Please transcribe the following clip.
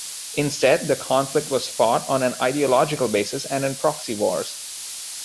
Instead, the conflict was fought on an ideological basis and in proxy wars.